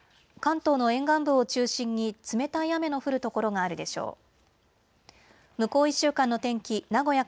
関東の沿岸部を中心に冷たい雨の降る所があるでしょう。